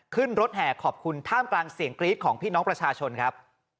ขึ้นรถแห่ขอบคุณท่ามกลางเสียงกรี๊ดของพี่น้องประชาชนครับ